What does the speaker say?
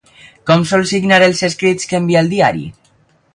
Com sol signar els escrits que envia al diari?